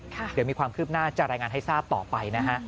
เดี๋ยวมีความคืบหน้าจะรายงานให้ทราบต่อไปนะฮะ